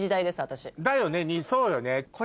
だよねそうよね。